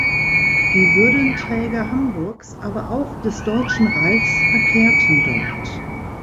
Die Würdenträger Hamburgs, aber auch des Deutschen Reichs verkehrten dort.